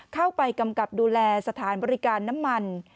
กำกับดูแลสถานบริการน้ำมัน